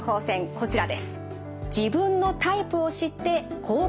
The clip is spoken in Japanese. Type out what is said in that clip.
こちらです。